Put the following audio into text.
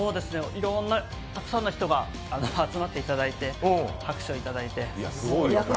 いろんなたくさんの人が集まっていただいて拍手をいただいて。